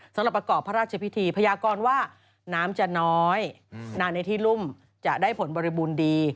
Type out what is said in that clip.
สำหรับประกอบพระราชพิธีพยากรว่าน้ำจะน้อยนานในที่รุ่มจะได้ผลบริบูรณ์ดี